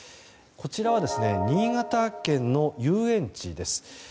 こちらは新潟県の遊園地です。